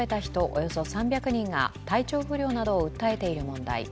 およそ３００人が体調不良などを訴えている問題。